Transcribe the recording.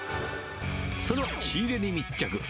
その仕入れに密着。